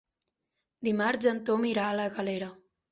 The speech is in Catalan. Dimarts en Tom irà a la Galera.